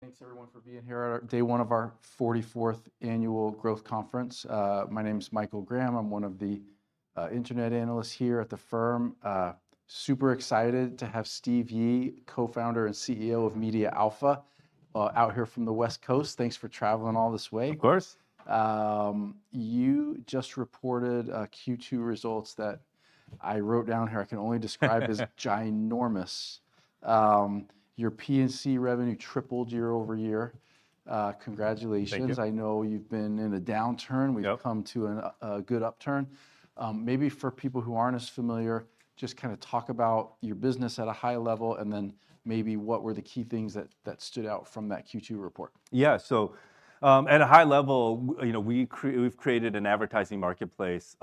Thanks everyone for being here on our day one of our 44th Annual Growth Conference. My name's Michael Graham, I'm one of the internet analysts here at the firm. Super excited to have Steve Yi, co-founder and CEO of MediaAlpha, out here from the West Coast. Thanks for traveling all this way. Of course. You just reported Q2 results that I wrote down here, I can only describe as ginormous. Your P&C revenue tripled year-over-year. Congratulations. Thank you. I know you've been in a downturn. Yep. We've come to a good upturn. Maybe for people who aren't as familiar, just kinda talk about your business at a high level, and then maybe what were the key things that stood out from that Q2 report? Yeah, so, at a high level, you know, we've created an advertising marketplace,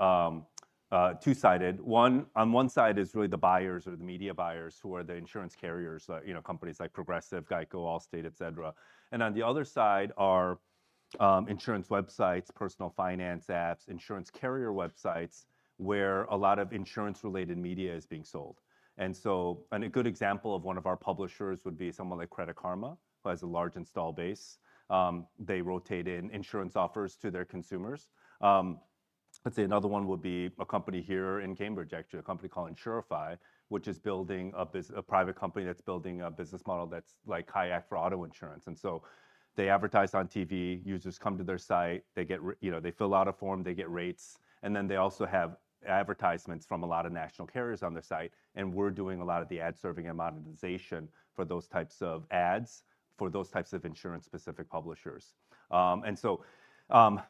two-sided. One, on one side is really the buyers or the media buyers, who are the insurance carriers, you know, companies like Progressive, GEICO, Allstate, et cetera. And on the other side are, insurance websites, personal finance apps, insurance carrier websites, where a lot of insurance-related media is being sold. And so... And a good example of one of our publishers would be someone like Credit Karma, who has a large install base. They rotate in insurance offers to their consumers. Let's see, another one would be a company here in Cambridge, actually, a company called Insurify, which is a private company that's building a business model that's like KAYAK for auto insurance. And so they advertise on TV, users come to their site, they get you know, they fill out a form, they get rates, and then they also have advertisements from a lot of national carriers on their site. And we're doing a lot of the ad serving and monetization for those types of ads, for those types of insurance-specific publishers.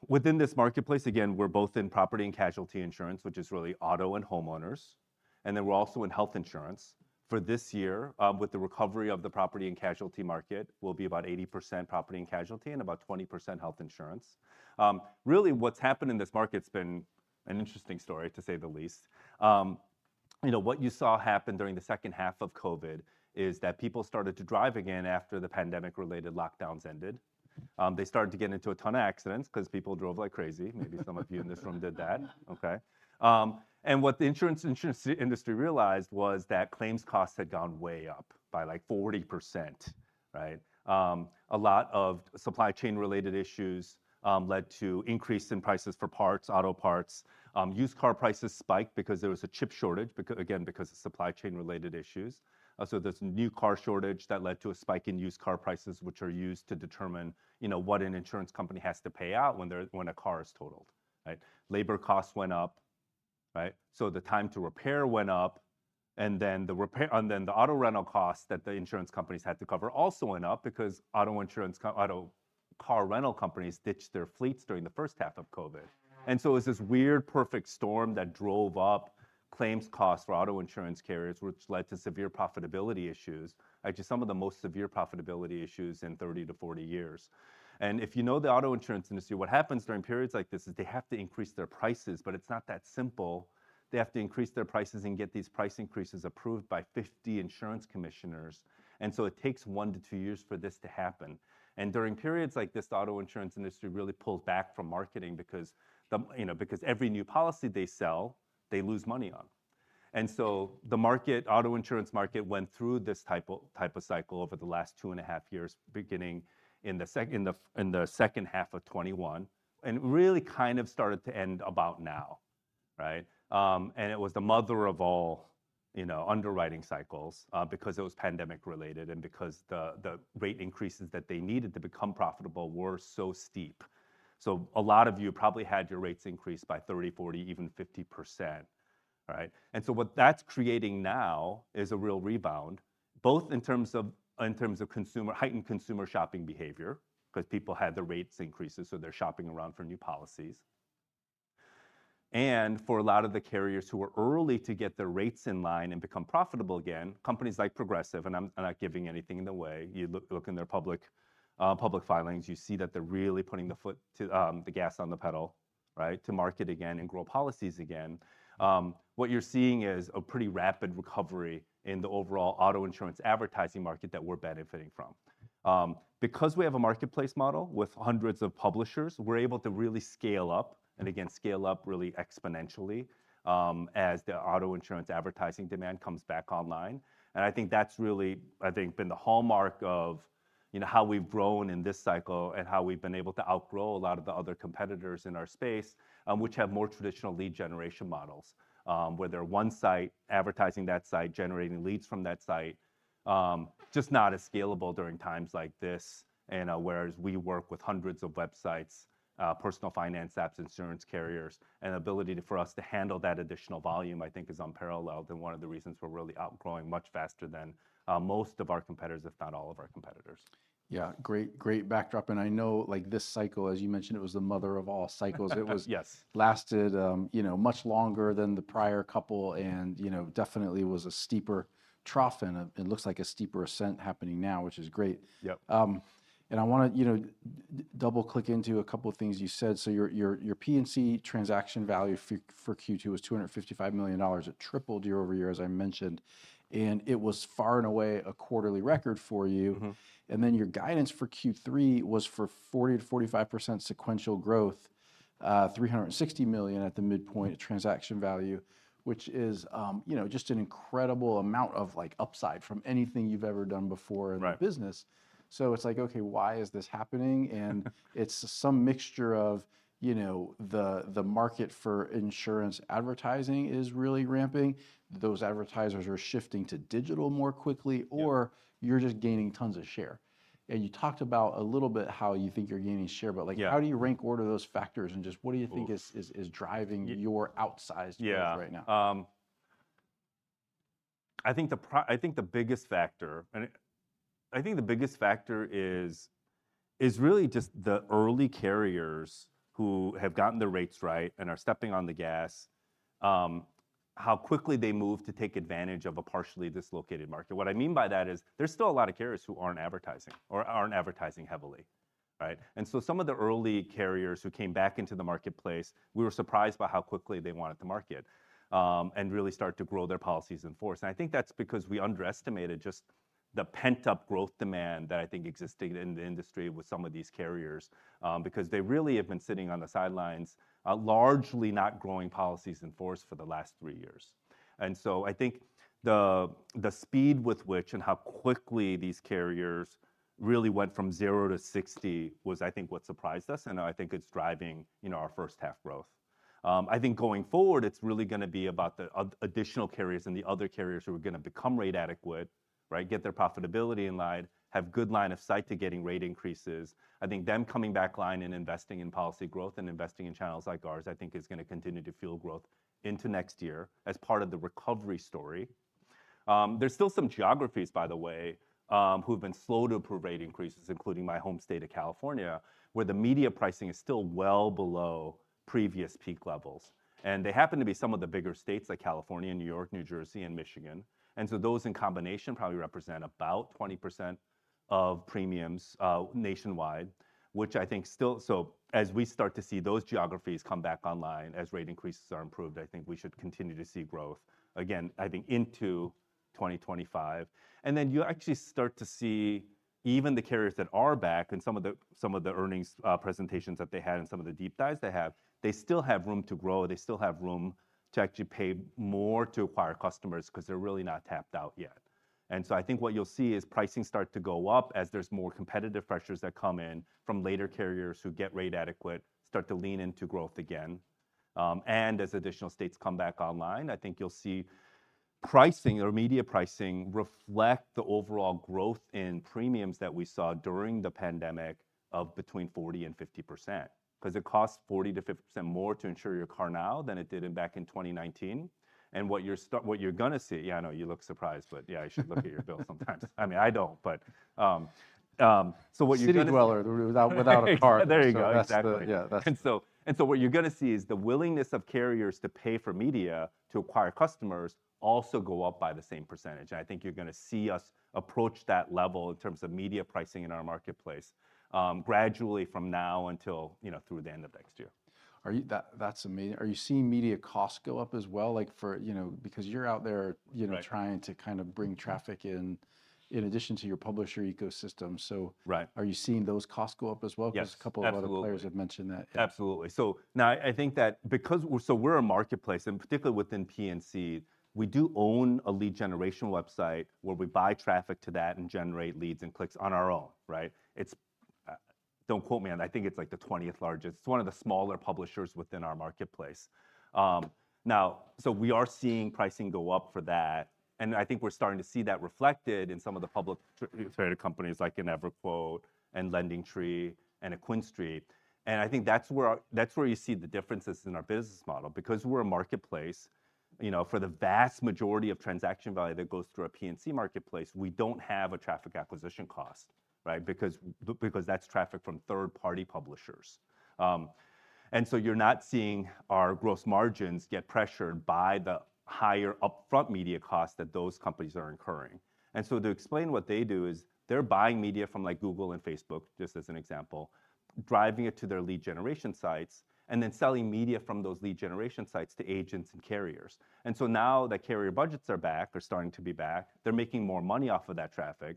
Within this marketplace, again, we're both in property and casualty insurance, which is really auto and homeowners, and then we're also in health insurance. For this year, with the recovery of the property and casualty market, we'll be about 80% property and casualty, and about 20% health insurance. Really, what's happened in this market's been an interesting story, to say the least. You know, what you saw happen during the second half of COVID is that people started to drive again after the pandemic-related lockdowns ended. They started to get into a ton of accidents, 'cause people drove like crazy. Maybe some of you in this room did that. Okay. And what the insurance industry realized was that claims costs had gone way up, by, like, 40%, right? A lot of supply chain-related issues led to increase in prices for parts, auto parts. Used car prices spiked because there was a chip shortage, again, because of supply chain-related issues. So this new car shortage that led to a spike in used car prices, which are used to determine, you know, what an insurance company has to pay out when a car is totaled, right? Labor costs went up, right, so the time to repair went up, and then the auto rental costs that the insurance companies had to cover also went up because car rental companies ditched their fleets during the first half of COVID. And so it was this weird, perfect storm that drove up claims costs for auto insurance carriers, which led to severe profitability issues, actually, some of the most severe profitability issues in 30-40 years. And if you know the auto insurance industry, what happens during periods like this is they have to increase their prices, but it's not that simple. They have to increase their prices and get these price increases approved by 50 insurance commissioners, and so it takes 1-2 years for this to happen. And during periods like this, the auto insurance industry really pulls back from marketing because, you know, every new policy they sell, they lose money on. And so the market, auto insurance market went through this type of cycle over the last 2.5 years, beginning in the second half of 2021, and really kind of started to end about now, right? And it was the mother of all, you know, underwriting cycles, because it was pandemic-related, and because the rate increases that they needed to become profitable were so steep. So a lot of you probably had your rates increased by 30%, 40%, even 50%, right? And so what that's creating now is a real rebound, both in terms of consumer-heightened consumer shopping behavior, 'cause people had the rates increases, so they're shopping around for new policies. And for a lot of the carriers who were early to get their rates in line and become profitable again, companies like Progressive. And I'm not giving anything away. You look in their public filings, you see that they're really putting the foot to the gas on the pedal, right, to market again and grow policies again. What you're seeing is a pretty rapid recovery in the overall auto insurance advertising market that we're benefiting from. Because we have a marketplace model with hundreds of publishers, we're able to really scale up, and again, scale up really exponentially, as the auto insurance advertising demand comes back online. I think that's really, I think, been the hallmark of, you know, how we've grown in this cycle, and how we've been able to outgrow a lot of the other competitors in our space, which have more traditional lead generation models. Where they're one site, advertising that site, generating leads from that site, just not as scalable during times like this. Whereas we work with hundreds of websites, personal finance apps, insurance carriers, and ability to for us to handle that additional volume, I think, is unparalleled, and one of the reasons we're really outgrowing much faster than, most of our competitors, if not all of our competitors. Yeah, great, great backdrop. I know, like, this cycle, as you mentioned, it was the mother of all cycles. Yes. It lasted, you know, much longer than the prior couple, and, you know, definitely was a steeper trough and, it looks like a steeper ascent happening now, which is great. Yep. I want to, you know, double-click into a couple of things you said. So your P&C transaction value for Q2 was $255 million. It tripled year-over-year, as I mentioned, and it was far and away a quarterly record for you. Mm-hmm. And then your guidance for Q3 was for 40%-45% sequential growth, $360 million at the midpoint transaction value, which is, you know, just an incredible amount of, like, upside from anything you've ever done before- Right... in the business. So it's like, okay, why is this happening? And it's some mixture of, you know, the market for insurance advertising is really ramping, those advertisers are shifting to digital more quickly- Yep... or you're just gaining tons of share. And you talked about a little bit how you think you're gaining share, but like- Yeah... how do you rank order those factors, and just what do you think? Of... is driving your outsized growth right now? Yeah. I think the biggest factor is really just the early carriers who have gotten the rates right and are stepping on the gas, how quickly they move to take advantage of a partially dislocated market. What I mean by that is, there's still a lot of carriers who aren't advertising or aren't advertising heavily, right? And so some of the early carriers who came back into the marketplace, we were surprised by how quickly they wanted to market, and really start to grow their policies in force. And I think that's because we underestimated just the pent-up growth demand that I think existed in the industry with some of these carriers. Because they really have been sitting on the sidelines, largely not growing policies in force for the last three years. And so I think the speed with which and how quickly these carriers really went from 0 to 60 was, I think, what surprised us, and I think it's driving, you know, our first half growth. I think going forward, it's really gonna be about the additional carriers and the other carriers who are gonna become rate adequate, right? Get their profitability in line, have good line of sight to getting rate increases. I think them coming back online and investing in policy growth and investing in channels like ours, I think is gonna continue to fuel growth into next year as part of the recovery story. There's still some geographies, by the way, who've been slow to approve rate increases, including my home state of California, where the media pricing is still well below previous peak levels. And they happen to be some of the bigger states, like California, New York, New Jersey, and Michigan. And so those in combination probably represent about 20% of premiums nationwide, which I think still... So as we start to see those geographies come back online, as rate increases are improved, I think we should continue to see growth, again, I think into 2025. And then you actually start to see even the carriers that are back, in some of the, some of the earnings presentations that they had and some of the deep dives they have, they still have room to grow. They still have room to actually pay more to acquire customers 'cause they're really not tapped out yet. And so I think what you'll see is pricing start to go up as there's more competitive pressures that come in from later carriers who get rate adequate, start to lean into growth again. And as additional states come back online, I think you'll see pricing or media pricing reflect the overall growth in premiums that we saw during the pandemic of between 40%-50%. 'Cause it costs 40%-50% more to insure your car now than it did back in 2019. And what you're gonna see... Yeah, I know, you look surprised, but yeah, you should look at your bill sometimes. I mean, I don't, but, so what you're gonna see- City dweller without a car. There you go. Exactly. Yeah, that's- And so what you're gonna see is the willingness of carriers to pay for media to acquire customers also go up by the same percentage, and I think you're gonna see us approach that level in terms of media pricing in our marketplace gradually from now until, you know, through the end of next year. That's amazing. Are you seeing media costs go up as well? Like, for you know, because you're out there, you know- Right... trying to kind of bring traffic in, in addition to your publisher ecosystem, so- Right... are you seeing those costs go up as well? Yes, absolutely. 'Cause a couple of other players have mentioned that. Absolutely. So now, I think that because we're a marketplace, and particularly within P&C, we do own a lead generation website where we buy traffic to that and generate leads and clicks on our own, right? It's, don't quote me, and I think it's, like, the 20th largest. It's one of the smaller publishers within our marketplace. Now, so we are seeing pricing go up for that, and I think we're starting to see that reflected in some of the publicly traded companies like in EverQuote and LendingTree and QuinStreet. And I think that's where you see the differences in our business model. Because we're a marketplace, you know, for the vast majority of transaction value that goes through our P&C marketplace, we don't have a traffic acquisition cost, right? Because that's traffic from third-party publishers. And so you're not seeing our gross margins get pressured by the higher upfront media costs that those companies are incurring. And so to explain what they do is, they're buying media from, like, Google and Facebook, just as an example, driving it to their lead generation sites, and then selling media from those lead generation sites to agents and carriers. And so now that carrier budgets are back or starting to be back, they're making more money off of that traffic.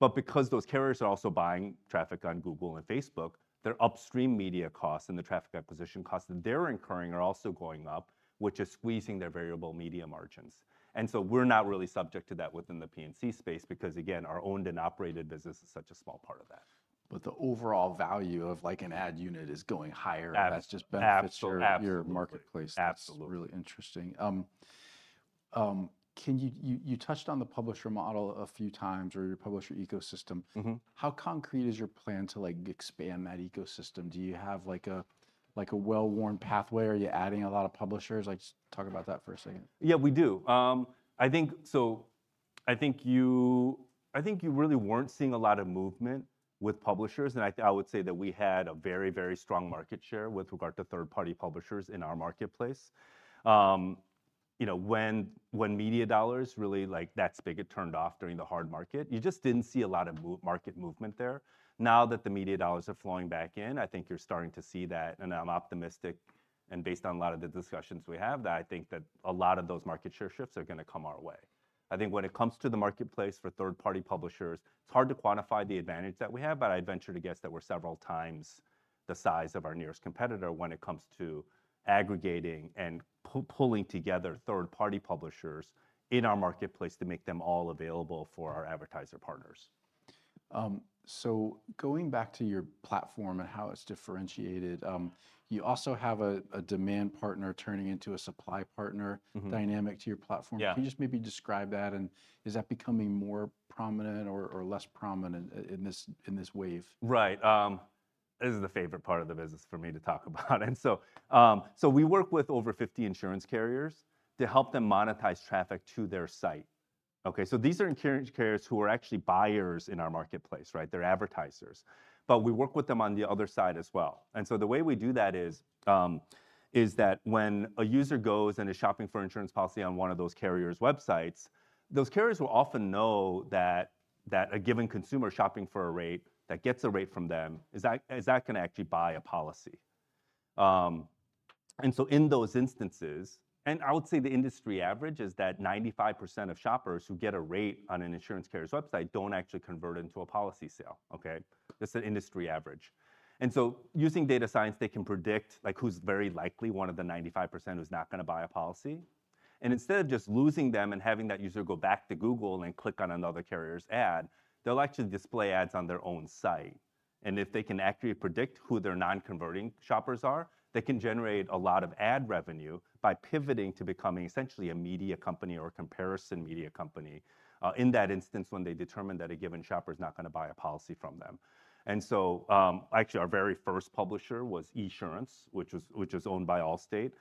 But because those carriers are also buying traffic on Google and Facebook, their upstream media costs and the traffic acquisition costs that they're incurring are also going up, which is squeezing their variable media margins. And so we're not really subject to that within the P&C space because, again, our owned and operated business is such a small part of that. But the overall value of, like, an ad unit is going higher. Ab- That's just benefits your- Absolutely... your marketplace. Absolutely. That's really interesting. Can you... You touched on the publisher model a few times or your publisher ecosystem. Mm-hmm. How concrete is your plan to, like, expand that ecosystem? Do you have, like, a well-worn pathway? Are you adding a lot of publishers? Like, just talk about that for a second. Yeah, we do. I think so, I think you, I think you really weren't seeing a lot of movement with publishers, and I think, I would say that we had a very, very strong market share with regard to third-party publishers in our marketplace. You know, when, when media dollars really, like, that spigot turned off during the hard market, you just didn't see a lot of market movement there. Now that the media dollars are flowing back in, I think you're starting to see that, and I'm optimistic, and based on a lot of the discussions we have, that I think that a lot of those market share shifts are gonna come our way. I think when it comes to the marketplace for third-party publishers, it's hard to quantify the advantage that we have, but I'd venture to guess that we're several times the size of our nearest competitor when it comes to aggregating and pulling together third-party publishers in our marketplace to make them all available for our advertiser partners. So going back to your platform and how it's differentiated, you also have a demand partner turning into a supply partner- Mm-hmm. dynamic to your platform. Yeah. Can you just maybe describe that, and is that becoming more prominent or less prominent in this wave? Right, this is the favorite part of the business for me to talk about and so, so we work with over 50 insurance carriers to help them monetize traffic to their site. Okay, so these are insurance carriers who are actually buyers in our marketplace, right? They're advertisers, but we work with them on the other side as well, and so the way we do that is that when a user goes and is shopping for insurance policy on one of those carriers' websites, those carriers will often know that a given consumer shopping for a rate, that gets a rate from them, is not gonna actually buy a policy. And so in those instances... And I would say the industry average is that 95% of shoppers who get a rate on an insurance carrier's website don't actually convert into a policy sale, okay? That's the industry average. And so using data science, they can predict, like, who's very likely one of the 95% who's not gonna buy a policy, and instead of just losing them and having that user go back to Google and click on another carrier's ad, they'll actually display ads on their own site. And if they can accurately predict who their non-converting shoppers are, they can generate a lot of ad revenue by pivoting to becoming essentially a media company or a comparison media company, in that instance, when they determine that a given shopper is not gonna buy a policy from them. And so, actually, our very first publisher was Esurance, which was, which is owned by Allstate,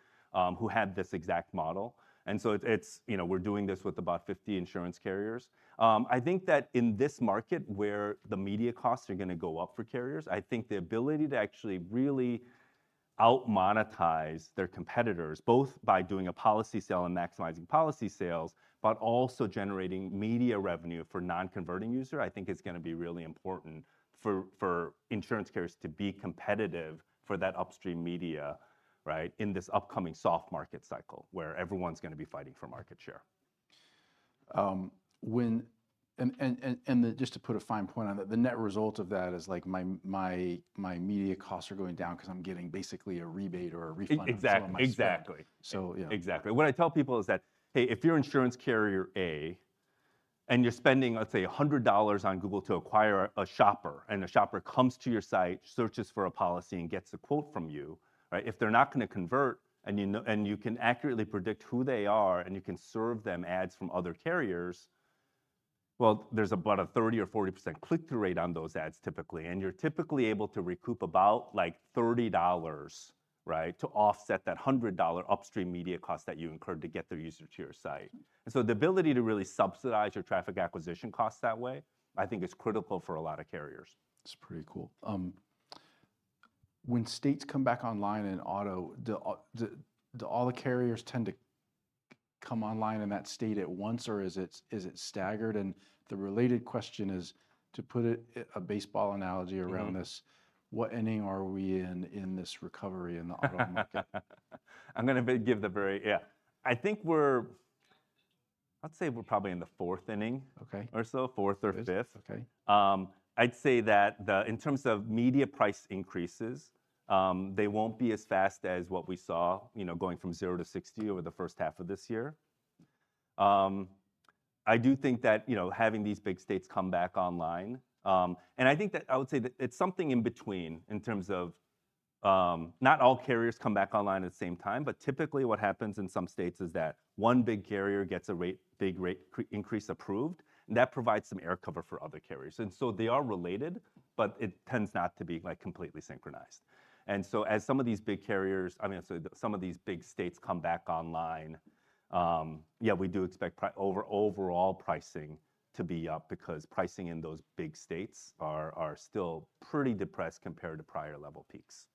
who had this exact model, and so it, it's, you know, we're doing this with about 50 insurance carriers. I think that in this market, where the media costs are gonna go up for carriers, I think the ability to actually really out-monetize their competitors, both by doing a policy sale and maximizing policy sales, but also generating media revenue for non-converting user, I think is gonna be really important for insurance carriers to be competitive for that upstream media, right, in this upcoming soft market cycle, where everyone's gonna be fighting for market share. just to put a fine point on that, the net result of that is, like, my media costs are going down 'cause I'm getting basically a rebate or a refund- Ex- exact-... on some of my spend... exactly. So, yeah. Exactly. What I tell people is that, "Hey, if you're insurance carrier A, and you're spending, let's say, $100 on Google to acquire a shopper, and a shopper comes to your site, searches for a policy, and gets a quote from you, right? If they're not gonna convert, and you know and you can accurately predict who they are, and you can serve them ads from other carriers, well, there's about a 30%-40% click-through rate on those ads, typically. And you're typically able to recoup about, like, $30, right, to offset that $100 upstream media cost that you incurred to get the user to your site. Mm. The ability to really subsidize your traffic acquisition costs that way, I think is critical for a lot of carriers. That's pretty cool. When states come back online in auto, do all the carriers tend to come online in that state at once, or is it staggered? And the related question is, to put it, a baseball analogy around this- Mm.... What inning are we in, in this recovery in the auto market? Yeah. I'd say we're probably in the fourth inning- Okay... or so. Fourth or fifth. Okay. I'd say that the, in terms of media price increases, they won't be as fast as what we saw, you know, going from 0 to 60 over the first half of this year. I do think that, you know, having these big states come back online... And I think that, I would say that it's something in between in terms of, not all carriers come back online at the same time, but typically, what happens in some states is that one big carrier gets a big rate increase approved, and that provides some air cover for other carriers. And so they are related, but it tends not to be, like, completely synchronized. So as some of these big carriers, I mean, so some of these big states come back online, yeah, we do expect overall pricing to be up because pricing in those big states are still pretty depressed compared to prior level peaks.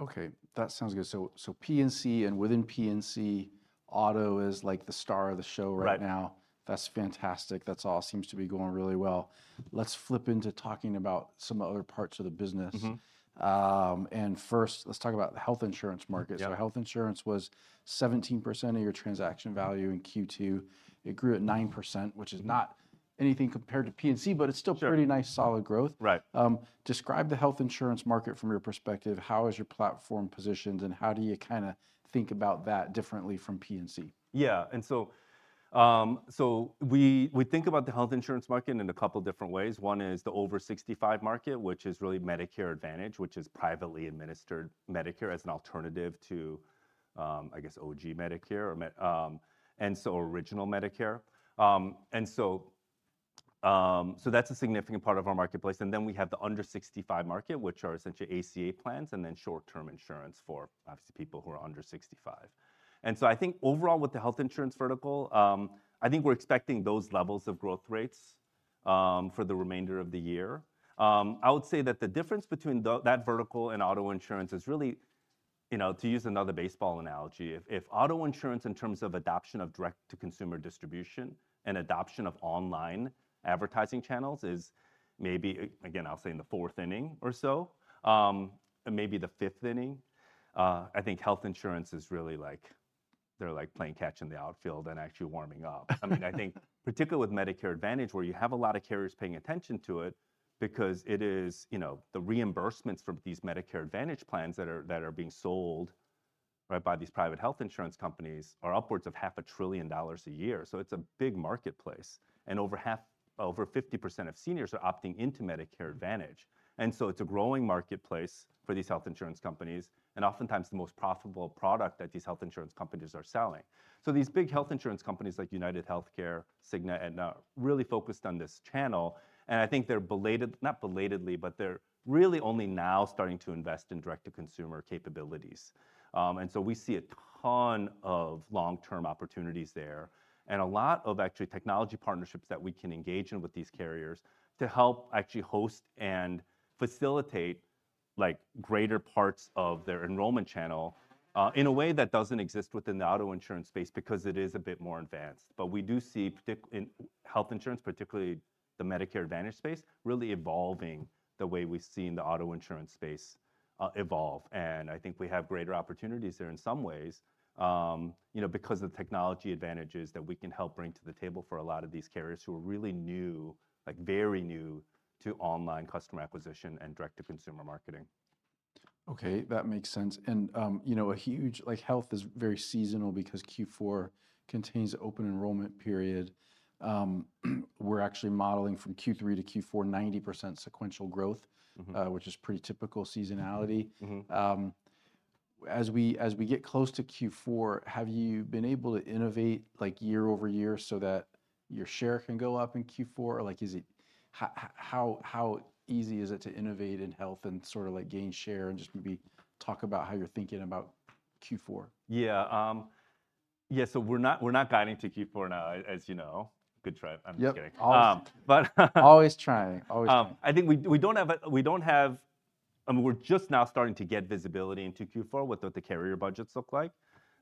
Okay, that sounds good. So, so P&C, and within P&C, auto is, like, the star of the show right now. Right. That's fantastic. That all seems to be going really well. Let's flip into talking about some other parts of the business. Mm-hmm. And first, let's talk about the health insurance market. Yeah. Health insurance was 17% of your transaction value in Q2. It grew at 9%, which is not anything compared to P&C- Sure... but it's still pretty nice, solid growth. Right. Describe the health insurance market from your perspective. How is your platform positioned, and how do you kinda think about that differently from P&C? Yeah, and so, so we think about the health insurance market in a couple different ways. One is the over-65 market, which is really Medicare Advantage, which is privately administered Medicare as an alternative to, I guess OG Medicare or Med, and so original Medicare. So that's a significant part of our marketplace, and then we have the under-65 market, which are essentially ACA plans, and then short-term insurance for obviously, people who are under 65. And so I think overall, with the health insurance vertical, I think we're expecting those levels of growth rates for the remainder of the year. I would say that the difference between that vertical and auto insurance is really, you know, to use another baseball analogy, if auto insurance in terms of adoption of direct-to-consumer distribution and adoption of online advertising channels is maybe, again, I'll say in the fourth inning or so, and maybe the fifth inning, I think health insurance is really like, they're like playing catch in the outfield and actually warming up. I mean, I think particularly with Medicare Advantage, where you have a lot of carriers paying attention to it because it is, you know, the reimbursements from these Medicare Advantage plans that are being sold, right, by these private health insurance companies are upwards of $500 billion a year. So it's a big marketplace, and over half, over 50% of seniors are opting into Medicare Advantage. So it's a growing marketplace for these health insurance companies, and oftentimes the most profitable product that these health insurance companies are selling. So these big health insurance companies, like UnitedHealthcare, Cigna, Aetna, are really focused on this channel, and I think they're belated- not belatedly, but they're really only now starting to invest in direct-to-consumer capabilities. And so we see a ton of long-term opportunities there, and a lot of actually technology partnerships that we can engage in with these carriers to help actually host and facilitate, like, greater parts of their enrollment channel, in a way that doesn't exist within the auto insurance space because it is a bit more advanced. But we do see, in health insurance, particularly the Medicare Advantage space, really evolving the way we've seen the auto insurance space, evolve. I think we have greater opportunities there in some ways, you know, because the technology advantages that we can help bring to the table for a lot of these carriers who are really new, like, very new, to online customer acquisition and direct-to-consumer marketing. Okay, that makes sense. You know, a huge... Like, health is very seasonal because Q4 contains the open enrollment period. We're actually modeling from Q3 to Q4 90% sequential growth- Mm-hmm. which is pretty typical seasonality. Mm-hmm. As we get close to Q4, have you been able to innovate, like, year over year so that your share can go up in Q4? Or like, is it how easy is it to innovate in health and sort of like gain share, and just maybe talk about how you're thinking about Q4? Yeah. Yeah, so we're not, we're not guiding to Q4 now, as, as you know. Good try. I'm just kidding. Yep, always. But... Always trying, always trying. I think we don't have. I mean, we're just now starting to get visibility into Q4, what the carrier budgets look like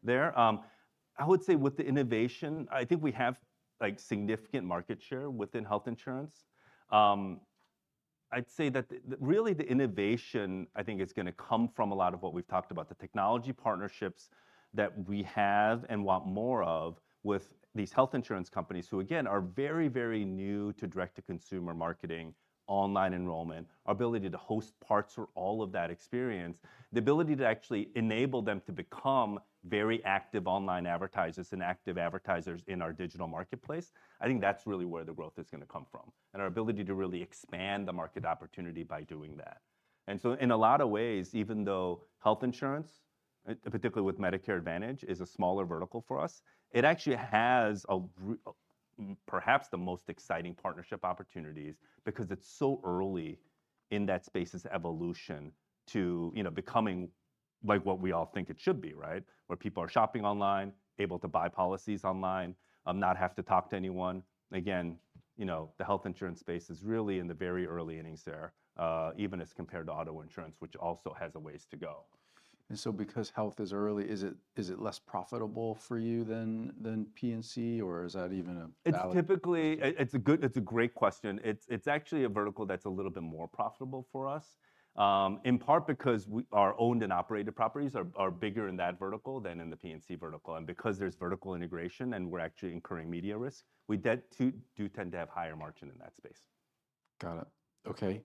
there. I would say with the innovation, I think we have, like, significant market share within health insurance. I'd say that the real innovation, I think, is gonna come from a lot of what we've talked about, the technology partnerships that we have and want more of with these health insurance companies, who again, are very, very new to direct-to-consumer marketing, online enrollment, our ability to host parts or all of that experience. The ability to actually enable them to become very active online advertisers and active advertisers in our digital marketplace, I think that's really where the growth is gonna come from, and our ability to really expand the market opportunity by doing that. And so in a lot of ways, even though health insurance, particularly with Medicare Advantage, is a smaller vertical for us, it actually has perhaps the most exciting partnership opportunities because it's so early in that space's evolution to, you know, becoming like what we all think it should be, right? Where people are shopping online, able to buy policies online, not have to talk to anyone. Again, you know, the health insurance space is really in the very early innings there, even as compared to auto insurance, which also has a ways to go. And so, because health is early, is it, is it less profitable for you than, than P&C, or is that even a valid? It's a great question. It's actually a vertical that's a little bit more profitable for us, in part because our owned and operated properties are bigger in that vertical than in the P&C vertical. And because there's vertical integration, and we're actually incurring media risk, we tend to have higher margin in that space. Got it. Okay,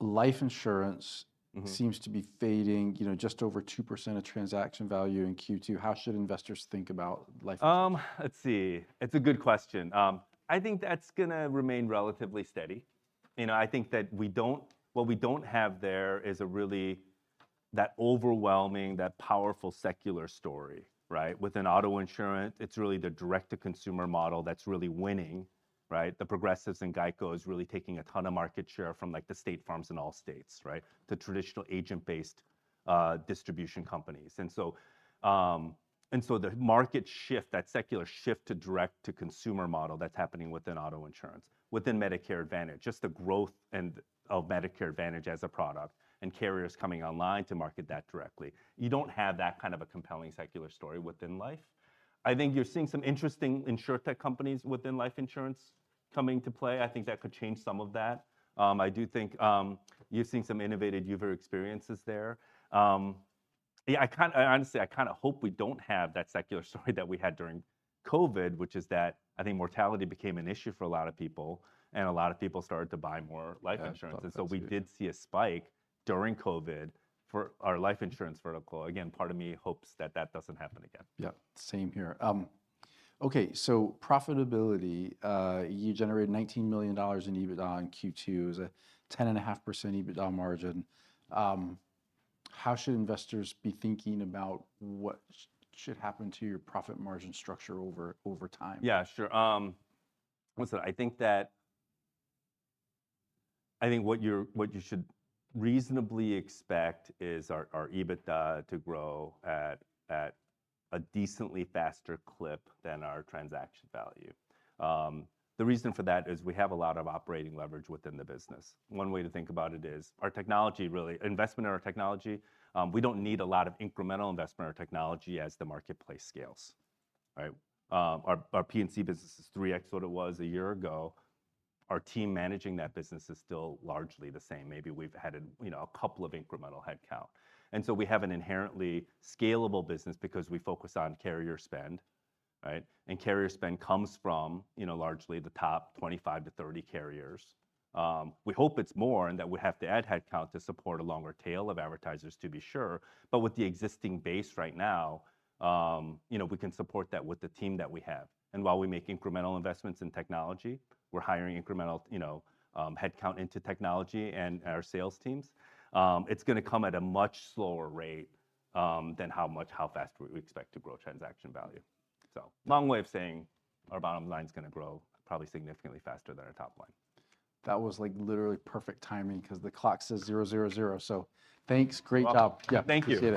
life insurance- Mm-hmm ... seems to be fading. You know, just over 2% of transaction value in Q2. How should investors think about life insurance? Let's see. It's a good question. I think that's gonna remain relatively steady. You know, I think that we don't... What we don't have there is a really, that overwhelming, that powerful secular story, right? Within auto insurance, it's really the direct-to-consumer model that's really winning, right? The Progressives and GEICO is really taking a ton of market share from, like, the State Farms and Allstates, right? The traditional agent-based distribution companies. And so, and so the market shift, that secular shift to direct-to-consumer model that's happening within auto insurance, within Medicare Advantage, just the growth and of Medicare Advantage as a product and carriers coming online to market that directly, you don't have that kind of a compelling secular story within life. I think you're seeing some interesting insurtech companies within life insurance coming to play. I think that could change some of that. I do think you're seeing some innovative user experiences there. Honestly, I kind of hope we don't have that secular story that we had during COVID, which is that I think mortality became an issue for a lot of people, and a lot of people started to buy more life insurance. We did see a spike during COVID for our life insurance vertical. Again, part of me hopes that that doesn't happen again. Yeah, same here. Okay, so profitability, you generated $19 million in EBITDA in Q2, a 10.5% EBITDA margin. How should investors be thinking about what should happen to your profit margin structure over time? Yeah, sure. Listen, I think what you're, what you should reasonably expect is our EBITDA to grow at a decently faster clip than our transaction value. The reason for that is we have a lot of operating leverage within the business. One way to think about it is our technology, really, investment in our technology, we don't need a lot of incremental investment in our technology as the marketplace scales, right? Our P&C business is 3x what it was a year ago. Our team managing that business is still largely the same. Maybe we've added, you know, a couple of incremental headcount. And so we have an inherently scalable business because we focus on carrier spend, right? And carrier spend comes from, you know, largely the top 25-30 carriers. We hope it's more, and that we have to add headcount to support a longer tail of advertisers to be sure, but with the existing base right now, you know, we can support that with the team that we have. And while we make incremental investments in technology, we're hiring incremental, you know, headcount into technology and our sales teams. It's gonna come at a much slower rate than how much, how fast we expect to grow transaction value. So long way of saying our bottom line's gonna grow probably significantly faster than our top line. That was, like, literally perfect timing 'cause the clock says 0, 0, 0. So thanks, great job. You're welcome. Yeah, appreciate it.